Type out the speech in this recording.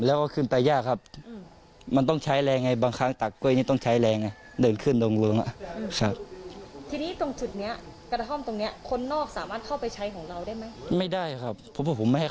เอามาวางไว้ทีหลังหรือทิ้งไว้ที่กระท่อมนาน